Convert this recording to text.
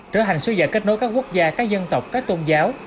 trở thành số dạng kết nối các quốc gia các dân tộc các tôn giáo